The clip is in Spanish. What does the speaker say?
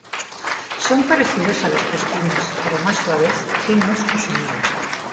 Son parecidos a los pestiños, pero más suaves, finos y sin miel.